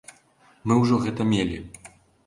Мы ўжо гэта мелі.